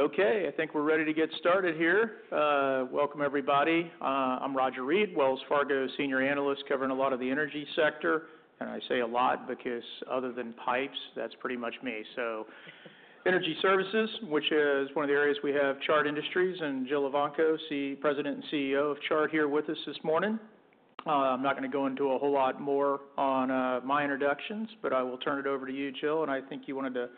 Okay, I think we're ready to get started here. Welcome, everybody. I'm Roger Read, Wells Fargo Senior Analyst, covering a lot of the energy sector, and I say a lot because other than pipes, that's pretty much me. So, Energy Services, which is one of the areas we have, Chart Industries, and Jill Evanko, President and CEO of Chart Industries, here with us this morning. I'm not going to go into a whole lot more on my introductions, but I will turn it over to you, Jill, and I think you wanted to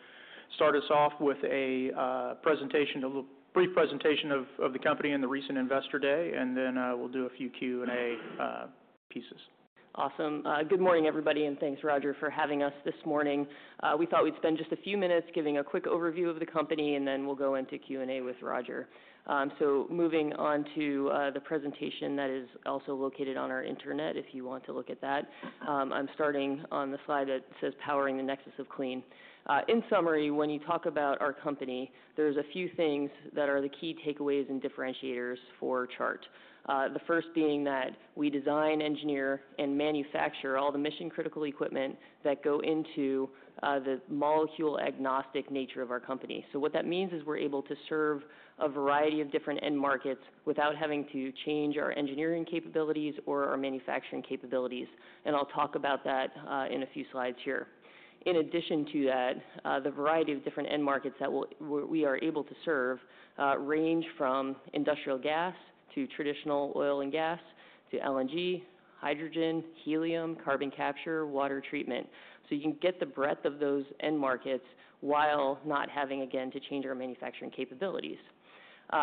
start us off with a presentation, a brief presentation of the company and the recent Investor Day, and then we'll do a few Q&A pieces. Awesome. Good morning, everybody, and thanks, Roger, for having us this morning. We thought we'd spend just a few minutes giving a quick overview of the company, and then we'll go into Q&A with Roger. So, moving on to the presentation that is also located on our intranet, if you want to look at that. I'm starting on the slide that says, "Powering the Nexus of Clean." In summary, when you talk about our company, there are a few things that are the key takeaways and differentiators for Chart. The first being that we design, engineer, and manufacture all the mission-critical equipment that go into the molecule-agnostic nature of our company. So, what that means is we're able to serve a variety of different end markets without having to change our engineering capabilities or our manufacturing capabilities. And I'll talk about that in a few slides here. In addition to that, the variety of different end markets that we are able to serve range from industrial gas to traditional oil and gas to LNG, hydrogen, helium, carbon capture, water treatment, so you can get the breadth of those end markets while not having, again, to change our manufacturing capabilities.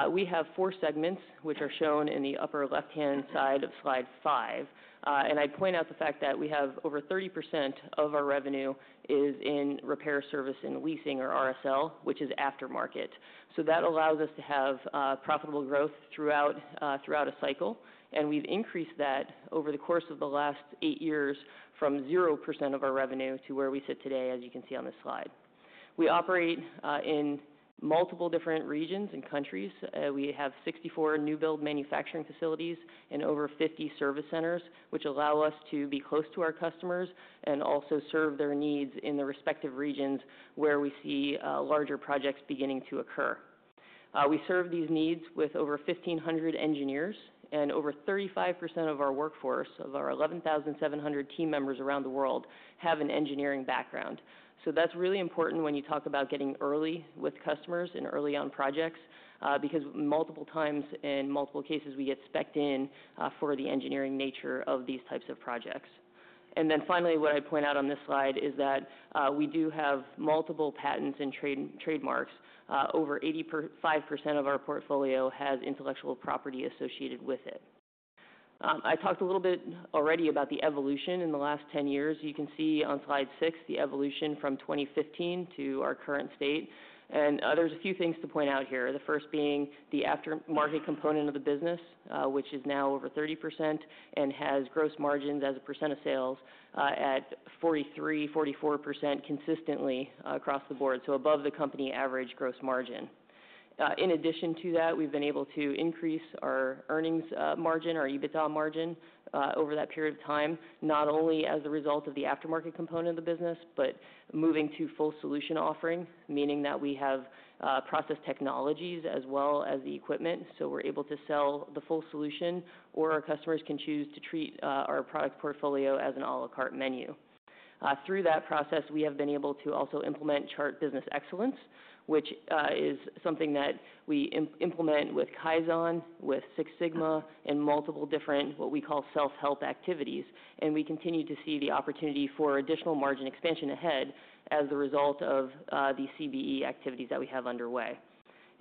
We have four segments, which are shown in the upper left-hand side of slide five, and I'd point out the fact that we have over 30% of our revenue in Repair, Service, and Leasing, or RSL, which is aftermarket, so that allows us to have profitable growth throughout a cycle, and we've increased that over the course of the last eight years from 0% of our revenue to where we sit today, as you can see on this slide. We operate in multiple different regions and countries. We have 64 new-build manufacturing facilities and over 50 service centers, which allow us to be close to our customers and also serve their needs in the respective regions where we see larger projects beginning to occur. We serve these needs with over 1,500 engineers, and over 35% of our workforce, of our 11,700 team members around the world, have an engineering background. So, that's really important when you talk about getting early with customers and early on projects, because multiple times and multiple cases we get specced in for the engineering nature of these types of projects. And then finally, what I'd point out on this slide is that we do have multiple patents and trademarks. Over 85% of our portfolio has intellectual property associated with it. I talked a little bit already about the evolution in the last 10 years. You can see on slide six the evolution from 2015 to our current state. And there's a few things to point out here, the first being the aftermarket component of the business, which is now over 30% and has gross margins as a percent of sales at 43%, 44% consistently across the board, so above the company average gross margin. In addition to that, we've been able to increase our earnings margin, our EBITDA margin, over that period of time, not only as a result of the aftermarket component of the business, but moving to full solution offering, meaning that we have process technologies as well as the equipment, so we're able to sell the full solution, or our customers can choose to treat our product portfolio as an à la carte menu. Through that process, we have been able to also implement Chart Business Excellence, which is something that we implement with Kaizen, with Six Sigma, and multiple different what we call self-help activities. And we continue to see the opportunity for additional margin expansion ahead as a result of the CBE activities that we have underway.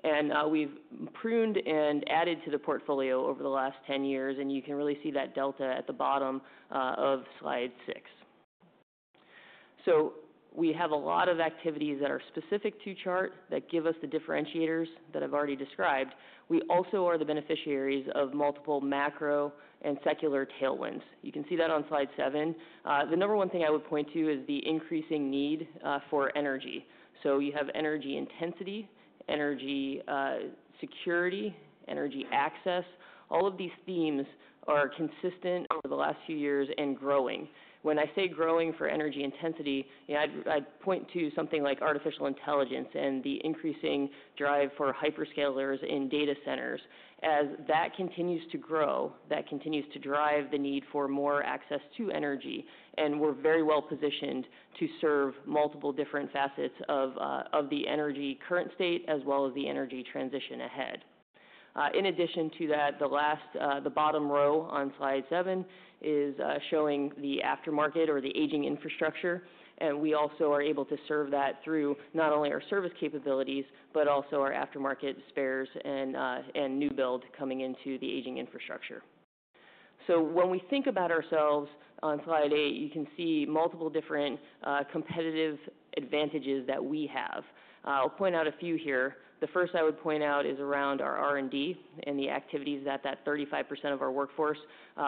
And we've pruned and added to the portfolio over the last 10 years, and you can really see that delta at the bottom of slide six. So, we have a lot of activities that are specific to Chart that give us the differentiators that I've already described. We also are the beneficiaries of multiple macro and secular tailwinds. You can see that on slide seven. The number one thing I would point to is the increasing need for energy. So, you have energy intensity, energy security, energy access. All of these themes are consistent over the last few years and growing. When I say growing for energy intensity, I'd point to something like artificial intelligence and the increasing drive for hyperscalers in data centers. As that continues to grow, that continues to drive the need for more access to energy, and we're very well positioned to serve multiple different facets of the energy current state as well as the energy transition ahead. In addition to that, the bottom row on slide seven is showing the aftermarket or the aging infrastructure, and we also are able to serve that through not only our service capabilities, but also our aftermarket spares and new build coming into the aging infrastructure, so when we think about ourselves on slide eight, you can see multiple different competitive advantages that we have. I'll point out a few here. The first I would point out is around our R&D and the activities that 35% of our workforce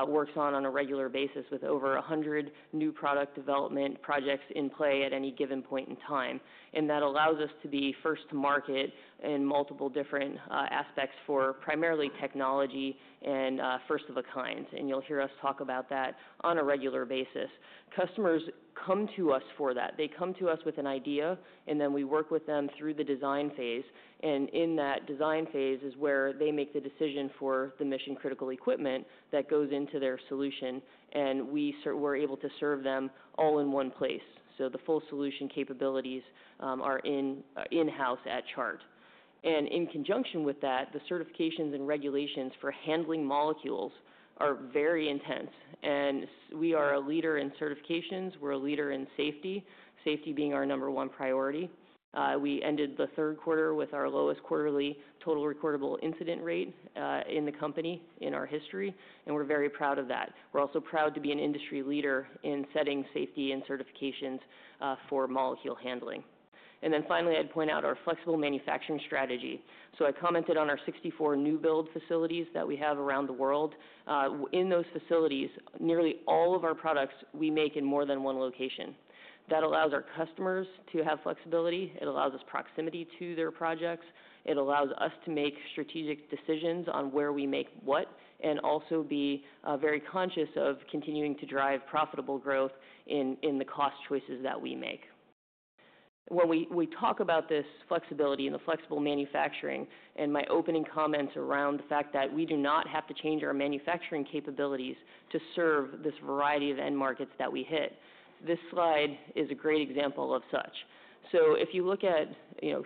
works on a regular basis with over 100 new product development projects in play at any given point in time, and that allows us to be first to market in multiple different aspects for primarily technology and first of a kind. You'll hear us talk about that on a regular basis. Customers come to us for that. They come to us with an idea, and then we work with them through the design phase, and in that design phase is where they make the decision for the mission-critical equipment that goes into their solution. We're able to serve them all in one place, so the full solution capabilities are in-house at Chart, and in conjunction with that, the certifications and regulations for handling molecules are very intense. We are a leader in certifications. We're a leader in safety, safety being our number one priority. We ended the third quarter with our lowest quarterly total recordable incident rate in the company in our history, and we're very proud of that. We're also proud to be an industry leader in setting safety and certifications for molecule handling. Then finally, I'd point out our flexible manufacturing strategy. I commented on our 64 new build facilities that we have around the world. In those facilities, nearly all of our products we make in more than one location. That allows our customers to have flexibility. It allows us proximity to their projects. It allows us to make strategic decisions on where we make what and also be very conscious of continuing to drive profitable growth in the cost choices that we make. When we talk about this flexibility and the flexible manufacturing and my opening comments around the fact that we do not have to change our manufacturing capabilities to serve this variety of end markets that we hit, this slide is a great example of such. So, if you look at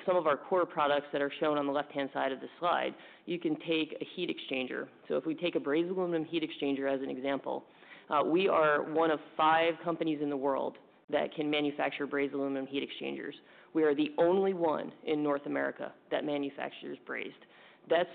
some of our core products that are shown on the left-hand side of the slide, you can take a heat exchanger. So, if we take a brazed aluminum heat exchanger as an example, we are one of five companies in the world that can manufacture brazed aluminum heat exchangers. We are the only one in North America that manufactures brazed. That's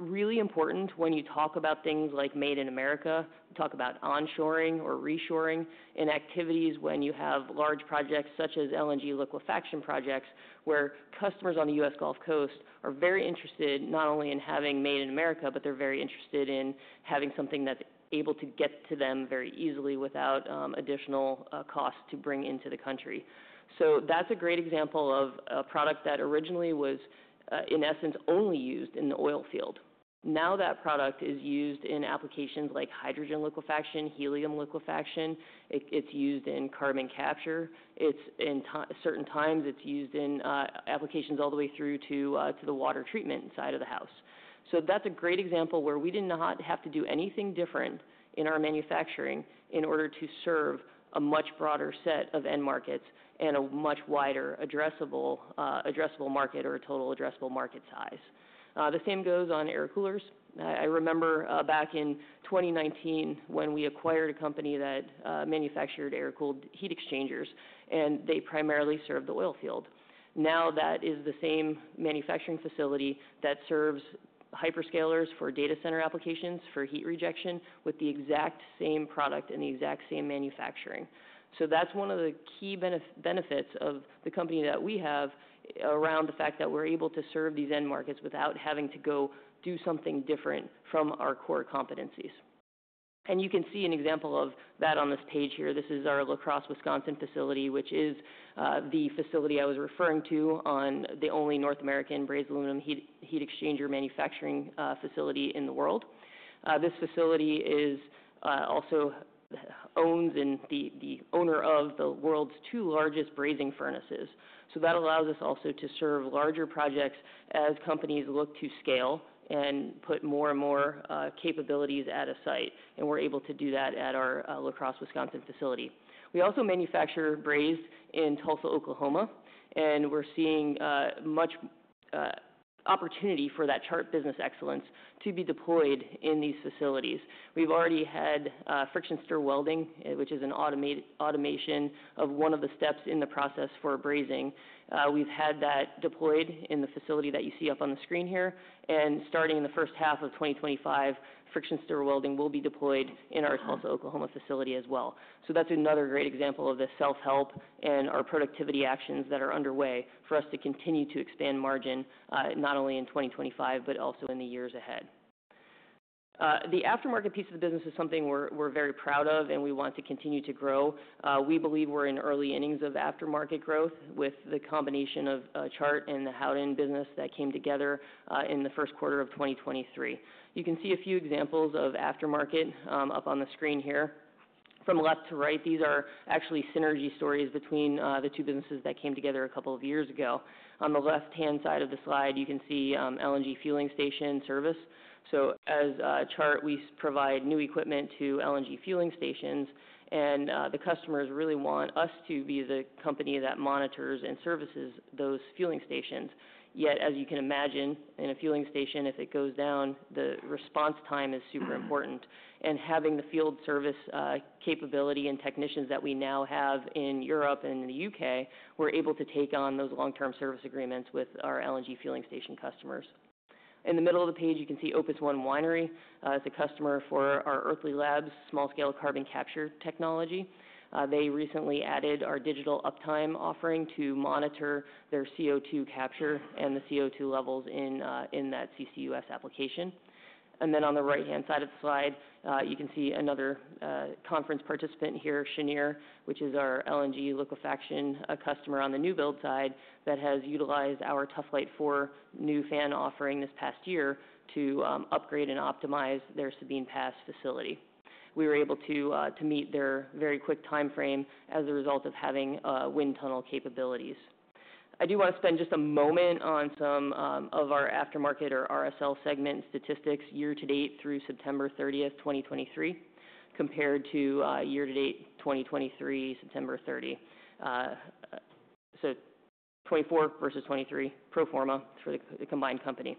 really important when you talk about things like made in America, talk about onshoring or reshoring, and activities when you have large projects such as LNG liquefaction projects where customers in the U.S. Gulf Coast are very interested not only in having made in America, but they're very interested in having something that's able to get to them very easily without additional cost to bring into the country. So, that's a great example of a product that originally was, in essence, only used in the oil field. Now that product is used in applications like hydrogen liquefaction, helium liquefaction. It's used in carbon capture. At certain times, it's used in applications all the way through to the water treatment side of the house. So, that's a great example where we did not have to do anything different in our manufacturing in order to serve a much broader set of end markets and a much wider addressable market or total addressable market size. The same goes on air coolers. I remember back in 2019 when we acquired a company that manufactured air-cooled heat exchangers, and they primarily served the oil field. Now that is the same manufacturing facility that serves hyperscalers for data center applications for heat rejection with the exact same product and the exact same manufacturing. So, that's one of the key benefits of the company that we have around the fact that we're able to serve these end markets without having to go do something different from our core competencies, and you can see an example of that on this page here. This is our La Crosse, Wisconsin facility, which is the facility I was referring to, the only North American brazed aluminum heat exchanger manufacturing facility in the world. This facility also owns the world's two largest brazing furnaces. So, that allows us also to serve larger projects as companies look to scale and put more and more capabilities at a site. And we're able to do that at our La Crosse, Wisconsin facility. We also manufacture brazed in Tulsa, Oklahoma, and we're seeing much opportunity for that Chart Business Excellence to be deployed in these facilities. We've already had friction stir welding, which is an automation of one of the steps in the process for brazing. We've had that deployed in the facility that you see up on the screen here. And starting in the first half of 2025, friction stir welding will be deployed in our Tulsa, Oklahoma facility as well. So, that's another great example of the self-help and our productivity actions that are underway for us to continue to expand margin not only in 2025, but also in the years ahead. The aftermarket piece of the business is something we're very proud of, and we want to continue to grow. We believe we're in early innings of aftermarket growth with the combination of Chart and the Howden business that came together in the first quarter of 2023. You can see a few examples of aftermarket up on the screen here. From left to right, these are actually synergy stories between the two businesses that came together a couple of years ago. On the left-hand side of the slide, you can see LNG fueling station service. So, as Chart, we provide new equipment to LNG fueling stations, and the customers really want us to be the company that monitors and services those fueling stations. Yet, as you can imagine, in a fueling station, if it goes down, the response time is super important. Having the field service capability and technicians that we now have in Europe and in the U.K., we're able to take on those long-term service agreements with our LNG fueling station customers. In the middle of the page, you can see Opus One Winery. It's a customer for our Earthly Labs small-scale carbon capture technology. They recently added our digital Uptime offering to monitor their CO2 capture and the CO2 levels in that CCUS application. And then on the right-hand side of the slide, you can see another conference participant here, Cheniere, which is our LNG liquefaction customer on the new build side that has utilized our Tuf-Lite for new fan offering this past year to upgrade and optimize their Sabine Pass facility. We were able to meet their very quick timeframe as a result of having wind tunnel capabilities. I do want to spend just a moment on some of our aftermarket or RSL segment statistics year-to-date through September 30th, 2023, compared to year-to-date 2023, September 30. So, 2024 versus 2023, pro forma for the combined company.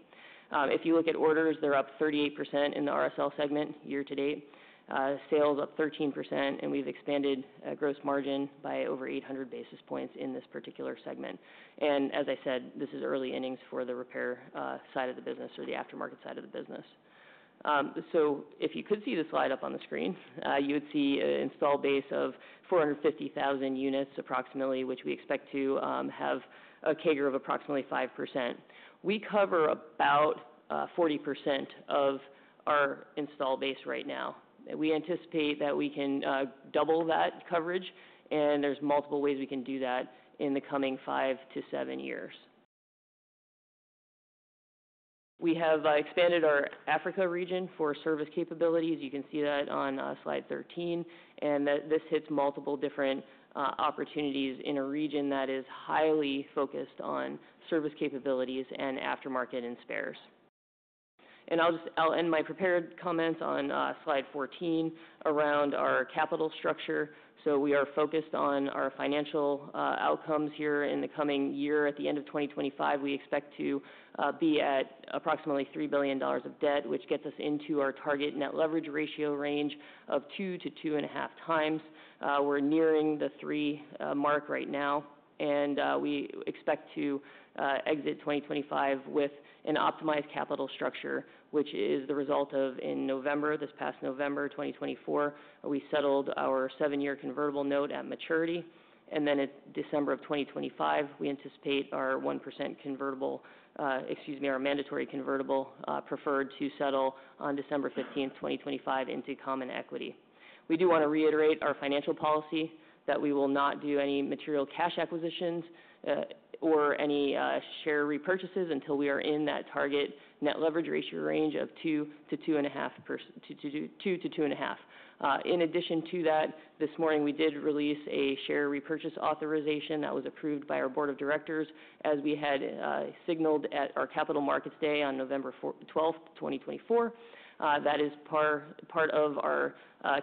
If you look at orders, they're up 38% in the RSL segment year-to-date. Sales up 13%, and we've expanded gross margin by over 800 basis points in this particular segment. And as I said, this is early innings for the repair side of the business or the aftermarket side of the business. So, if you could see the slide up on the screen, you would see an install base of 450,000 units approximately, which we expect to have a CAGR of approximately 5%. We cover about 40% of our install base right now. We anticipate that we can double that coverage, and there's multiple ways we can do that in the coming five to seven years. We have expanded our Africa region for service capabilities. You can see that on slide 13, and this hits multiple different opportunities in a region that is highly focused on service capabilities and aftermarket and spares. And I'll end my prepared comments on slide 14 around our capital structure. So, we are focused on our financial outcomes here in the coming year. At the end of 2025, we expect to be at approximately $3 billion of debt, which gets us into our target net leverage ratio range of two to two and a half times. We're nearing the three mark right now, and we expect to exit 2025 with an optimized capital structure, which is the result of, in November, this past November 2024, we settled our seven-year convertible note at maturity. Then in December of 2025, we anticipate our 1% convertible, excuse me, our mandatory convertible preferred to settle on December 15th, 2025, into common equity. We do want to reiterate our financial policy that we will not do any material cash acquisitions or any share repurchases until we are in that target net leverage ratio range of two to two and a half, two to two and a half. In addition to that, this morning, we did release a share repurchase authorization that was approved by our board of directors as we had signaled at our Capital Markets Day on November 12th, 2024. That is part of our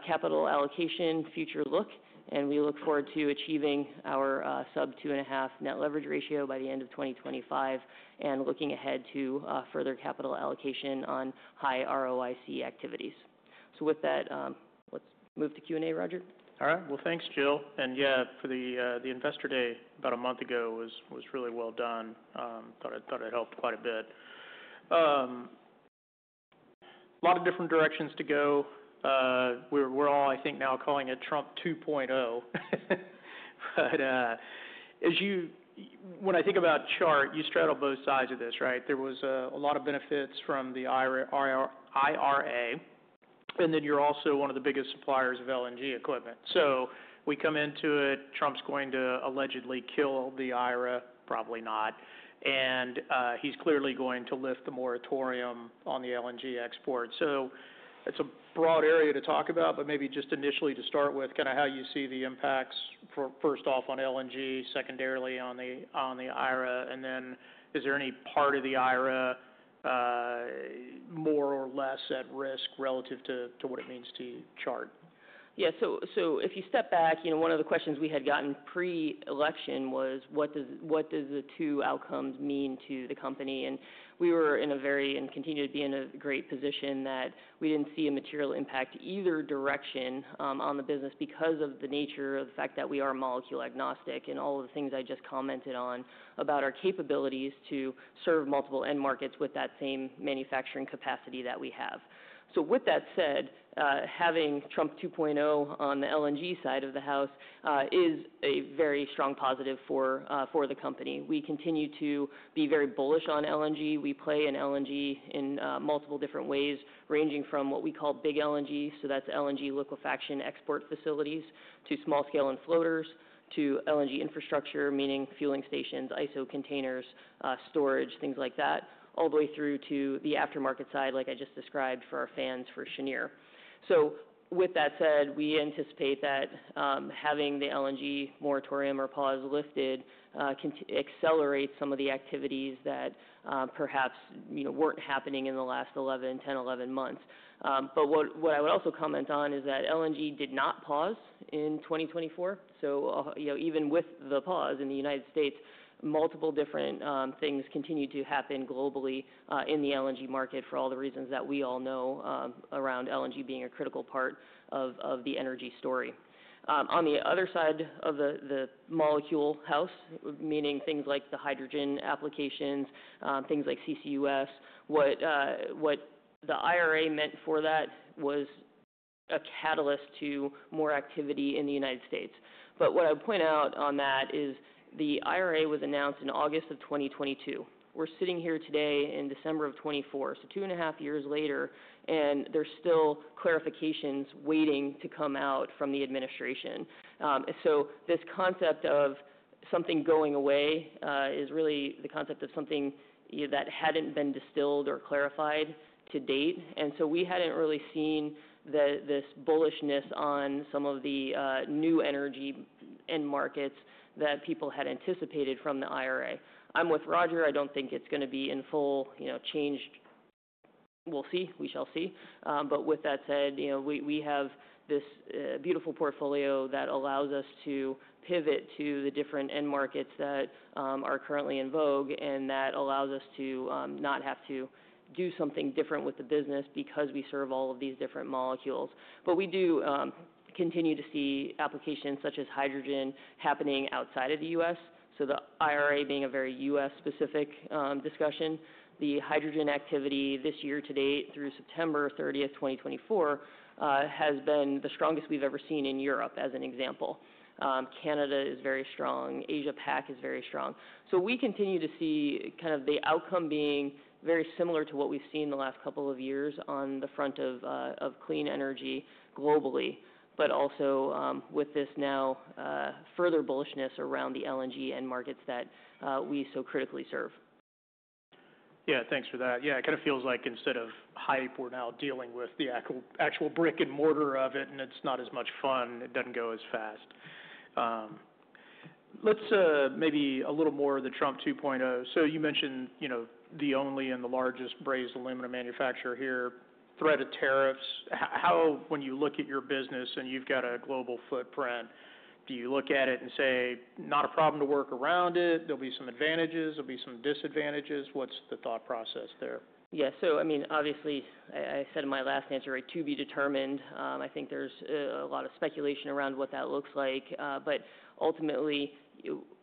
capital allocation future look, and we look forward to achieving our sub two and a half net leverage ratio by the end of 2025 and looking ahead to further capital allocation on high ROIC activities. So, with that, let's move to Q&A, Roger. All right. Well, thanks, Jill. And yeah, for the Investor Day, about a month ago, was really well done. Thought it helped quite a bit. A lot of different directions to go. We're all, I think, now calling it Trump 2.0. But when I think about Chart, you straddle both sides of this, right? There was a lot of benefits from the IRA, and then you're also one of the biggest suppliers of LNG equipment. So, we come into it, Trump's going to allegedly kill the IRA, probably not. And he's clearly going to lift the moratorium on the LNG export. So, it's a broad area to talk about, but maybe just initially to start with kind of how you see the impacts first off on LNG, secondarily on the IRA, and then is there any part of the IRA more or less at risk relative to what it means to Chart? Yeah. So, if you step back, one of the questions we had gotten pre-election was, what do the two outcomes mean to the company? And we were in a very and continue to be in a great position that we didn't see a material impact either direction on the business because of the nature of the fact that we are molecule agnostic and all of the things I just commented on about our capabilities to serve multiple end markets with that same manufacturing capacity that we have. So, with that said, having Trump 2.0 on the LNG side of the house is a very strong positive for the company. We continue to be very bullish on LNG. We play in LNG in multiple different ways, ranging from what we call big LNG, so that's LNG liquefaction export facilities, to small-scale and floaters, to LNG infrastructure, meaning fueling stations, ISO containers, storage, things like that, all the way through to the aftermarket side, like I just described for our fans for Cheniere. So, with that said, we anticipate that having the LNG moratorium or pause lifted accelerates some of the activities that perhaps weren't happening in the last 11, 10, 11 months. But what I would also comment on is that LNG did not pause in 2024. So, even with the pause in the United States, multiple different things continue to happen globally in the LNG market for all the reasons that we all know around LNG being a critical part of the energy story. On the other side of the molecule house, meaning things like the hydrogen applications, things like CCUS, what the IRA meant for that was a catalyst to more activity in the United States. But what I would point out on that is the IRA was announced in August of 2022. We're sitting here today in December of 2024, so two and a half years later, and there's still clarifications waiting to come out from the administration. So, this concept of something going away is really the concept of something that hadn't been distilled or clarified to date. And so, we hadn't really seen this bullishness on some of the new energy end markets that people had anticipated from the IRA. I'm with Roger. I don't think it's going to be in full change. We'll see. We shall see. But with that said, we have this beautiful portfolio that allows us to pivot to the different end markets that are currently in vogue and that allows us to not have to do something different with the business because we serve all of these different molecules. But we do continue to see applications such as hydrogen happening outside of the U.S. So, the IRA being a very U.S. specific discussion, the hydrogen activity this year to date through September 30th, 2024, has been the strongest we've ever seen in Europe as an example. Canada is very strong. Asia-Pac is very strong. So, we continue to see kind of the outcome being very similar to what we've seen the last couple of years on the front of clean energy globally, but also with this now further bullishness around the LNG end markets that we so critically serve. Yeah, thanks for that. Yeah, it kind of feels like instead of the hype now dealing with the actual brick and mortar of it, and it's not as much fun. It doesn't go as fast. Let's maybe a little more of the Trump 2.0. So, you mentioned the only and the largest brazed aluminum manufacturer here. Threat of tariffs. How, when you look at your business and you've got a global footprint, do you look at it and say, not a problem to work around it? There'll be some advantages. There'll be some disadvantages. What's the thought process there? Yeah. So, I mean, obviously, I said in my last answer, right, to be determined. I think there's a lot of speculation around what that looks like. But ultimately,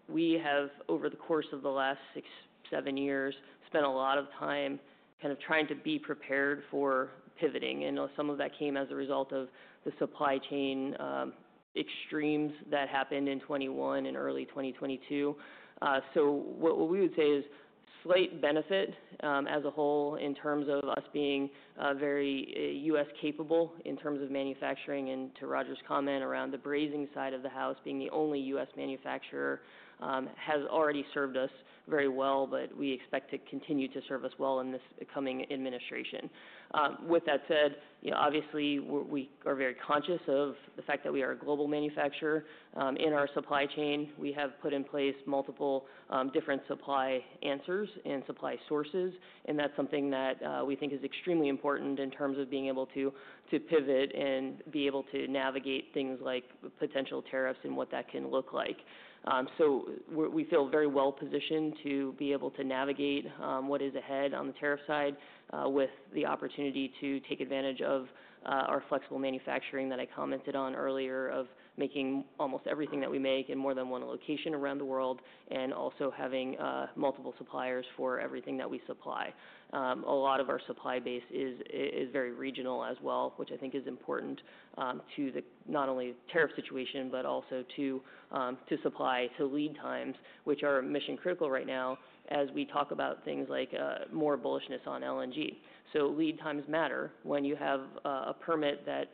we have, over the course of the last six, seven years, spent a lot of time kind of trying to be prepared for pivoting. And some of that came as a result of the supply chain extremes that happened in 2021 and early 2022. So, what we would say is slight benefit as a whole in terms of us being very U.S. capable in terms of manufacturing. And to Roger's comment around the brazing side of the house being the only U.S. manufacturer has already served us very well, but we expect to continue to serve us well in this coming administration. With that said, obviously, we are very conscious of the fact that we are a global manufacturer in our supply chain. We have put in place multiple different supply chains and supply sources, and that's something that we think is extremely important in terms of being able to pivot and be able to navigate things like potential tariffs and what that can look like. So, we feel very well positioned to be able to navigate what is ahead on the tariff side with the opportunity to take advantage of our flexible manufacturing that I commented on earlier of making almost everything that we make in more than one location around the world and also having multiple suppliers for everything that we supply. A lot of our supply base is very regional as well, which I think is important to not only the tariff situation, but also to supply to lead times, which are mission-critical right now as we talk about things like more bullishness on LNG. So, lead times matter when you have a permit that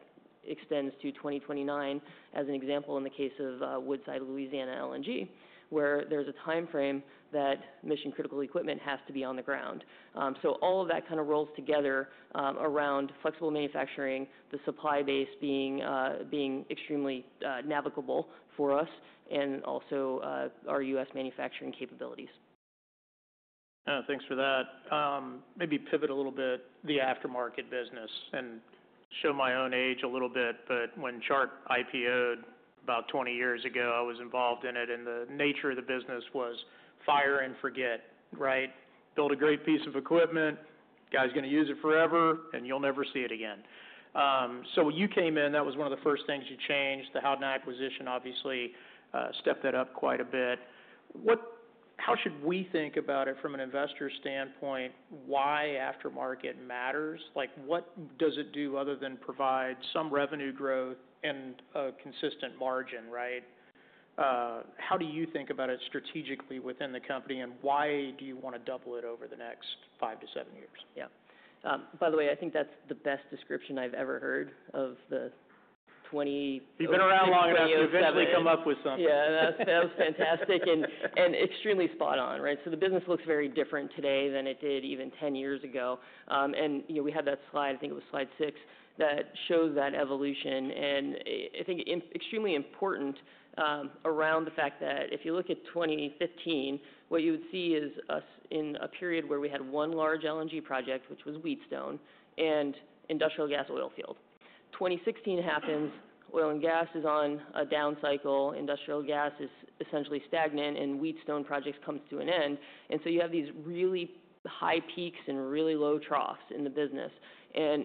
extends to 2029, as an example in the case of Woodside Louisiana LNG, where there's a timeframe that mission-critical equipment has to be on the ground. So, all of that kind of rolls together around flexible manufacturing, the supply base being extremely navigable for us and also our U.S. manufacturing capabilities. Thanks for that. Maybe pivot a little bit, the aftermarket business and show my own age a little bit, but when Chart IPOed about 20 years ago, I was involved in it, and the nature of the business was fire and forget, right? Build a great piece of equipment, guy's going to use it forever, and you'll never see it again. So, you came in, that was one of the first things you changed, the Howden acquisition, obviously stepped that up quite a bit. How should we think about it from an investor standpoint? Why aftermarket matters? Like, what does it do other than provide some revenue growth and a consistent margin, right? How do you think about it strategically within the company and why do you want to double it over the next five to seven years? Yeah. By the way, I think that's the best description I've ever heard of the 2020. You've been around long enough to eventually come up with something. Yeah, that was fantastic and extremely spot on, right? So, the business looks very different today than it did even 10 years ago. We had that slide, I think it was slide six, that shows that evolution. I think it is extremely important around the fact that if you look at 2015, what you would see is us in a period where we had one large LNG project, which was Wheatstone and industrial gas, oil, and field. 2016 happens, oil and gas is on a down cycle, industrial gas is essentially stagnant, and Wheatstone project comes to an end. So, you have these really high peaks and really low troughs in the business.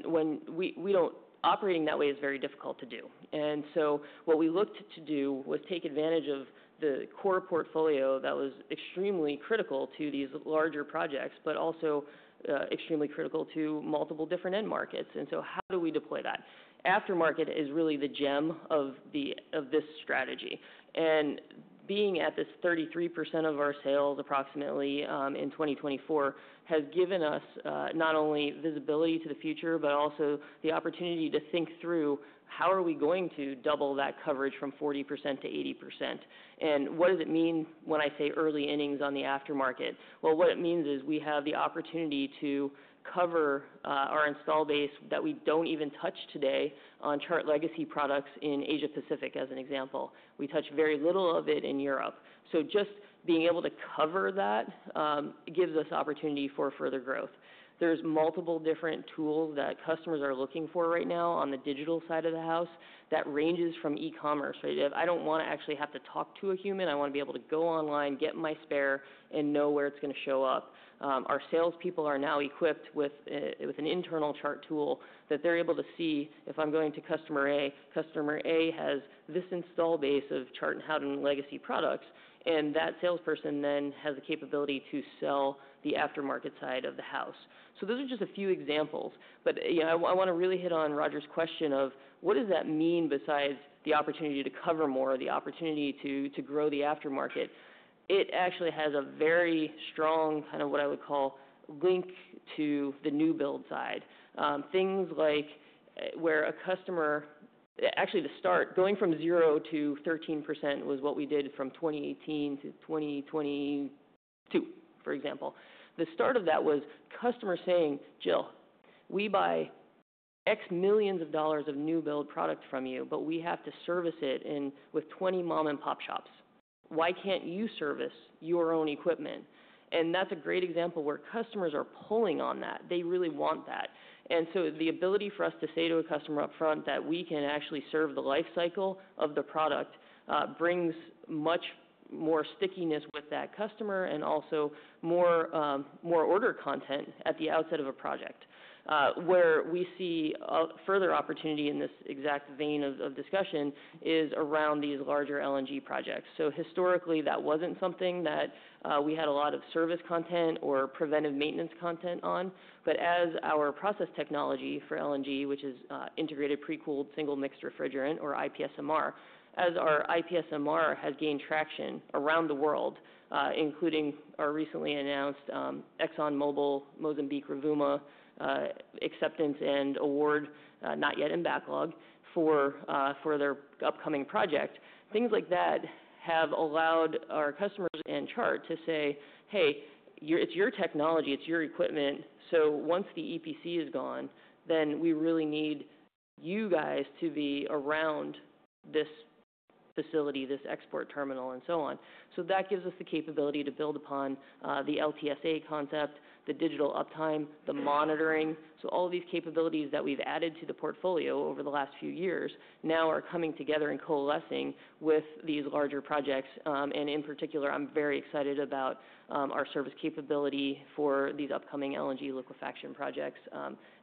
When we don't operate in that way, it is very difficult to do. What we looked to do was take advantage of the core portfolio that was extremely critical to these larger projects, but also extremely critical to multiple different end markets. How do we deploy that? Aftermarket is really the gem of this strategy. Being at this 33% of our sales approximately in 2024 has given us not only visibility to the future, but also the opportunity to think through how are we going to double that coverage from 40%-80%. What does it mean when I say early innings on the aftermarket? Well, what it means is we have the opportunity to cover our install base that we don't even touch today on Chart Legacy products in Asia-Pacific, as an example. We touch very little of it in Europe. So, just being able to cover that gives us opportunity for further growth. There's multiple different tools that customers are looking for right now on the digital side of the house that ranges from e-commerce. I don't want to actually have to talk to a human. I want to be able to go online, get my spare, and know where it's going to show up. Our salespeople are now equipped with an internal Chart tool that they're able to see if I'm going to customer A, customer A has this install base of Chart and Howden Legacy products, and that salesperson then has the capability to sell the aftermarket side of the house. So, those are just a few examples. But I want to really hit on Roger's question of what does that mean besides the opportunity to cover more, the opportunity to grow the aftermarket? It actually has a very strong kind of what I would call link to the new build side. Things like where a customer, actually the start, going from zero to 13% was what we did from 2018 to 2022, for example. The start of that was customer saying, "Jill, we buy X millions of dollars of new build product from you, but we have to service it with 20 mom-and-pop shops. Why can't you service your own equipment?" And that's a great example where customers are pulling on that. They really want that. And so, the ability for us to say to a customer upfront that we can actually serve the life cycle of the product brings much more stickiness with that customer and also more order content at the outset of a project. Where we see further opportunity in this exact vein of discussion is around these larger LNG projects. So, historically, that wasn't something that we had a lot of service content or preventive maintenance content on. But as our process technology for LNG, which is Integrated Pre-cooled Single Mixed Refrigerant or IPSMR, as our IPSMR has gained traction around the world, including our recently announced ExxonMobil Mozambique Rovuma acceptance and award, not yet in backlog, for their upcoming project, things like that have allowed our customers and Chart to say, "Hey, it's your technology, it's your equipment. So once the EPC is gone, then we really need you guys to be around this facility, this export terminal, and so on." So that gives us the capability to build upon the LTSA concept, the digital uptime, the monitoring. So all of these capabilities that we've added to the portfolio over the last few years now are coming together and coalescing with these larger projects. In particular, I'm very excited about our service capability for these upcoming LNG liquefaction projects,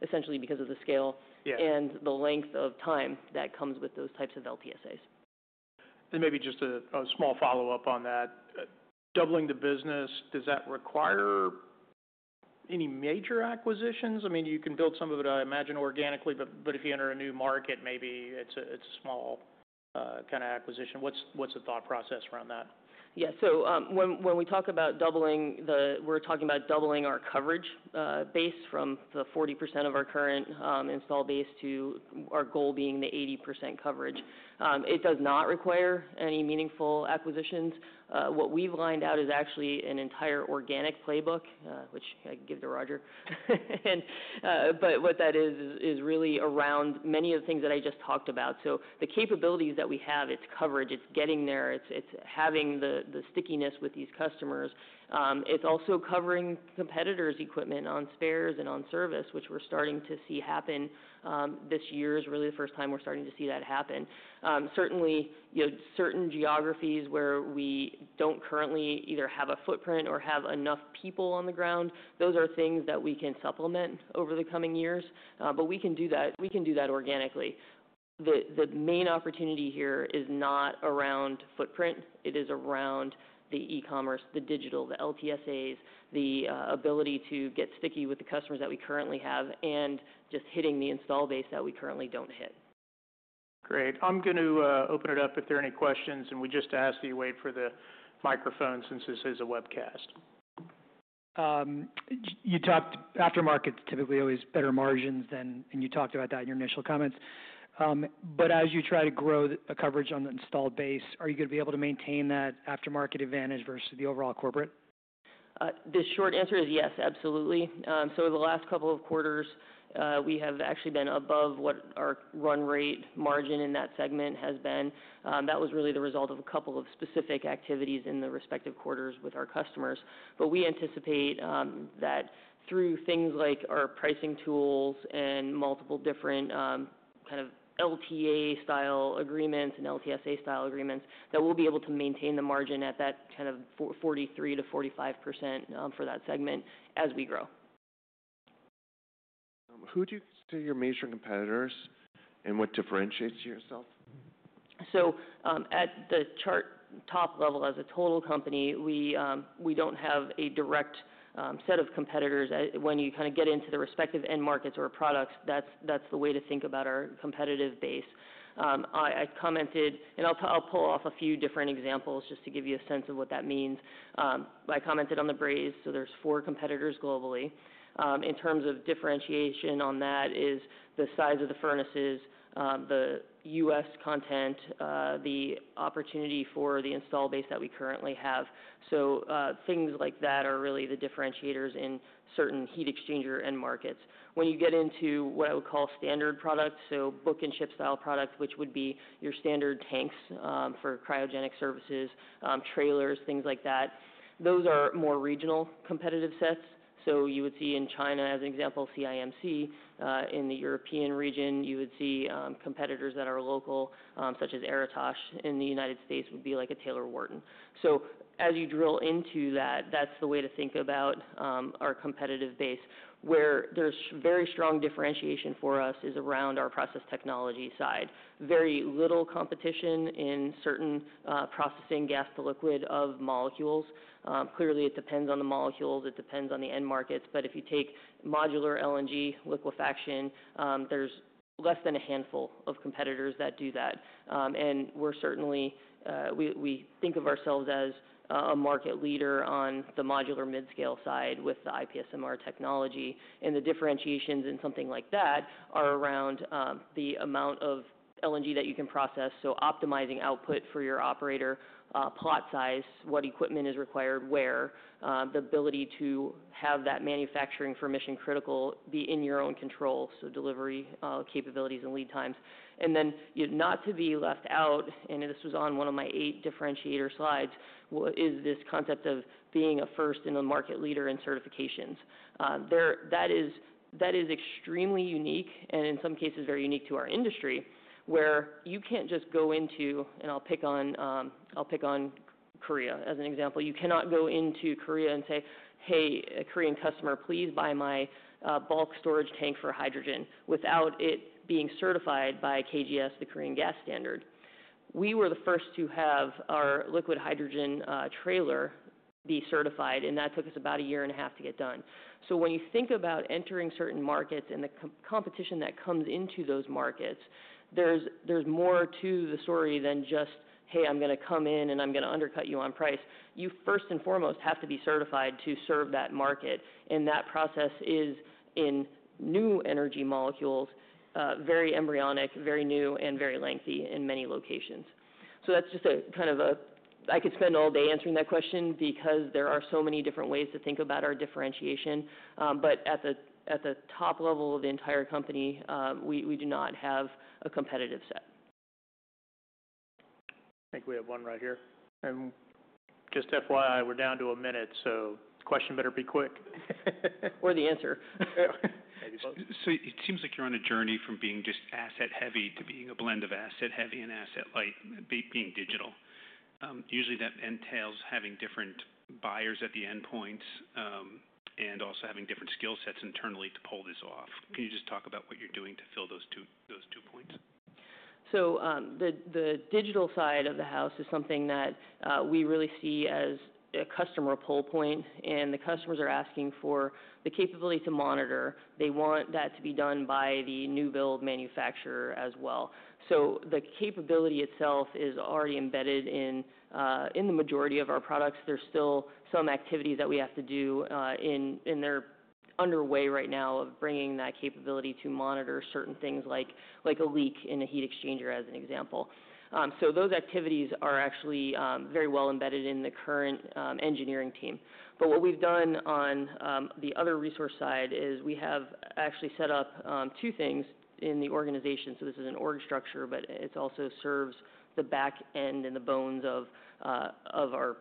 essentially because of the scale and the length of time that comes with those types of LTSAs. Maybe just a small follow-up on that. Doubling the business, does that require any major acquisitions? I mean, you can build some of it, I imagine, organically, but if you enter a new market, maybe it's a small kind of acquisition. What's the thought process around that? Yeah. When we talk about doubling, we're talking about doubling our coverage base from the 40% of our current install base to our goal being the 80% coverage. It does not require any meaningful acquisitions. What we've lined out is actually an entire organic playbook, which I give to Roger. What that is, is really around many of the things that I just talked about. So the capabilities that we have, it's coverage, it's getting there, it's having the stickiness with these customers. It's also covering competitors' equipment on spares and on service, which we're starting to see happen. This year is really the first time we're starting to see that happen. Certainly, certain geographies where we don't currently either have a footprint or have enough people on the ground, those are things that we can supplement over the coming years. But we can do that organically. The main opportunity here is not around footprint. It is around the e-commerce, the digital, the LTSAs, the ability to get sticky with the customers that we currently have, and just hitting the install base that we currently don't hit. Great. I'm going to open it up if there are any questions, and we just ask that you wait for the microphone since this is a webcast. You talked aftermarket's typically always better margins than, and you talked about that in your initial comments. But as you try to grow a coverage on the installed base, are you going to be able to maintain that aftermarket advantage versus the overall corporate? The short answer is yes, absolutely. So the last couple of quarters, we have actually been above what our run rate margin in that segment has been. That was really the result of a couple of specific activities in the respective quarters with our customers. But we anticipate that through things like our pricing tools and multiple different kind of LTA-style agreements and LTSA-style agreements, that we'll be able to maintain the margin at that kind of 43%-45% for that segment as we grow. Who do you consider your major competitors and what differentiates yourself? So at the Chart top level, as a total company, we don't have a direct set of competitors. When you kind of get into the respective end markets or products, that's the way to think about our competitive base. I commented, and I'll pull off a few different examples just to give you a sense of what that means. I commented on the brazed. So there's four competitors globally. In terms of differentiation on that is the size of the furnaces, the U.S. content, the opportunity for the install base that we currently have. So things like that are really the differentiators in certain heat exchanger end markets. When you get into what I would call standard products, so book and ship style products, which would be your standard tanks for cryogenic services, trailers, things like that, those are more regional competitive sets. So you would see in China, as an example, CIMC. In the European region, you would see competitors that are local, such as Aritas in the United States, would be like a Taylor-Wharton. So as you drill into that, that's the way to think about our competitive base. Where there's very strong differentiation for us is around our process technology side. Very little competition in certain processing gas-to-liquid of molecules. Clearly, it depends on the molecules, it depends on the end markets. But if you take modular LNG liquefaction, there's less than a handful of competitors that do that. And we're certainly, we think of ourselves as a market leader on the modular mid-scale side with the IPSMR technology. And the differentiations in something like that are around the amount of LNG that you can process. Optimizing output for your operator, plot size, what equipment is required where, the ability to have that manufacturing for mission-critical be in your own control, so delivery capabilities and lead times. Then not to be left out, and this was on one of my eight differentiator slides, is this concept of being a first in the market leader in certifications. That is extremely unique and in some cases very unique to our industry where you can't just go into, and I'll pick on Korea as an example. You cannot go into Korea and say, "Hey, a Korean customer, please buy my bulk storage tank for hydrogen without it being certified by KGS, the Korean Gas Standard." We were the first to have our liquid hydrogen trailer be certified, and that took us about a year and a half to get done. So when you think about entering certain markets and the competition that comes into those markets, there's more to the story than just, "Hey, I'm going to come in and I'm going to undercut you on price." You first and foremost have to be certified to serve that market. And that process is in new energy molecules, very embryonic, very new, and very lengthy in many locations. So that's just a kind of a, I could spend all day answering that question because there are so many different ways to think about our differentiation. But at the top level of the entire company, we do not have a competitive set. I think we have one right here. And just FYI, we're down to a minute, so the question better be quick. Or the answer. So it seems like you're on a journey from being just asset-heavy to being a blend of asset-heavy and asset-light, being digital. Usually, that entails having different buyers at the end points and also having different skill sets internally to pull this off. Can you just talk about what you're doing to fill those two points? So the digital side of the house is something that we really see as a customer pull point, and the customers are asking for the capability to monitor. They want that to be done by the new build manufacturer as well. So the capability itself is already embedded in the majority of our products. There's still some activities that we have to do, and they're underway right now of bringing that capability to monitor certain things like a leak in a heat exchanger, as an example. So those activities are actually very well embedded in the current engineering team. But what we've done on the other resource side is we have actually set up two things in the organization. So this is an org structure, but it also serves the back end and the bones of our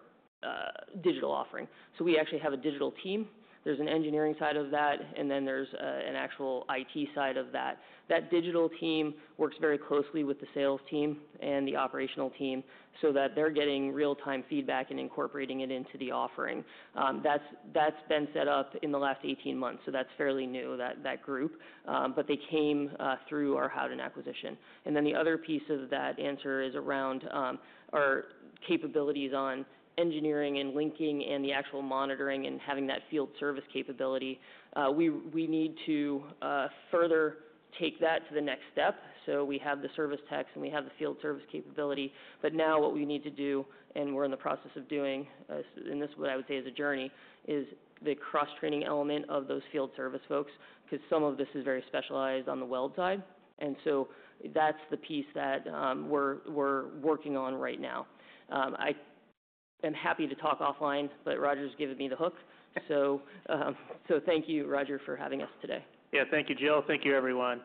digital offering. So we actually have a digital team. There's an engineering side of that, and then there's an actual IT side of that. That digital team works very closely with the sales team and the operational team so that they're getting real-time feedback and incorporating it into the offering. That's been set up in the last 18 months, so that's fairly new, that group. But they came through our Howden acquisition. And then the other piece of that answer is around our capabilities on engineering and linking and the actual monitoring and having that field service capability. We need to further take that to the next step. So we have the service techs and we have the field service capability. But now what we need to do, and we're in the process of doing, and this is what I would say is a journey, is the cross-training element of those field service folks because some of this is very specialized on the weld side. And so that's the piece that we're working on right now. I am happy to talk offline, but Roger's given me the hook. So thank you, Roger, for having us today. Yeah, thank you, Jill. Thank you, everyone.